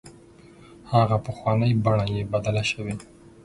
هغه پخوانۍ بڼه یې بدله شوې.